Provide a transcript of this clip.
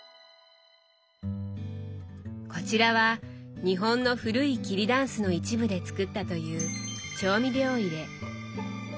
こちらは日本の古い桐だんすの一部で作ったという調味料入れ。